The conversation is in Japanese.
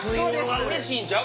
うれしいんちゃう？